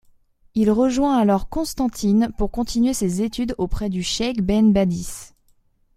Il rejoint alors Constantine pour continuer ses études auprès du Cheikh Ben Badis.